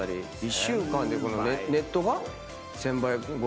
１週間でネットが１，０００杯超え。